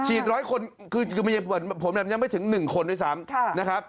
ฉีด๑๐๐คนคือผมแบบนี้ยังไม่ถึง๑คนด้วยซ้ำ